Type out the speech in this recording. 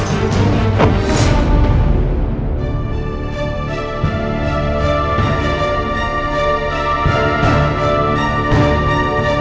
sampai jumpa lagi